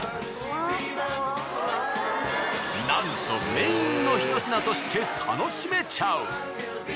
なんとメインの１品として楽しめちゃう。